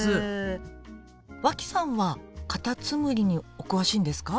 脇さんはカタツムリにお詳しいんですか？